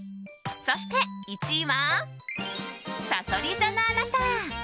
そして１位は、さそり座のあなた。